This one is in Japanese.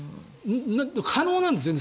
可能なんですよ。